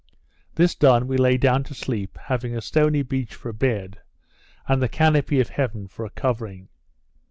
This done, we lay down to sleep, having a stony beach for a bed, and the canopy of heaven for a covering.